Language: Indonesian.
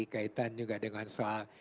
kaitan juga dengan soal